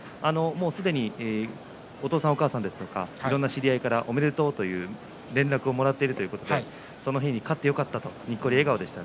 すでに、お父さんお母さんやいろんな知り合いからおめでとうという連絡をもらっているということでその日に勝ってよかったとにっこり笑顔でした。